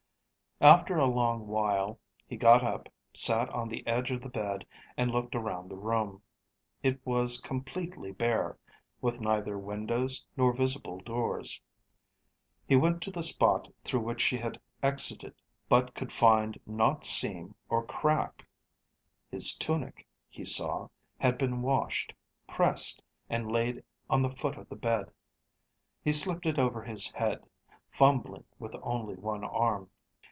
After a long while, he got up, sat on the edge of the bed, and looked around the room. It was completely bare, with neither windows nor visible doors. He went to the spot through which she had exited, but could find not seam or crack. His tunic, he saw, had been washed, pressed, and laid on the foot of the bed. He slipped it over his head, fumbling with only one arm.